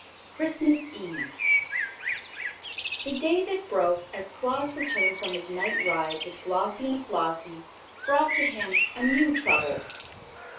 10. Christmas Eve The day that broke as Claus returned from his night ride with Glossie and Flossie brought to him a new trouble.